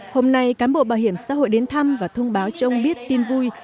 hôm nay cán bộ bảo hiểm xã hội đến thăm và thông báo cho ông biết tin vui